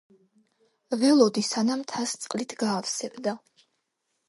ველოდი, სანამ თასს წყლით გაავსებდა.